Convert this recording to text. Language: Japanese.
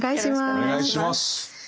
お願いします。